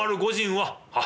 「はっ。